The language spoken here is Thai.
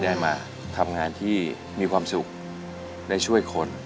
ได้มาทำงานที่มีความสุขได้ช่วยคน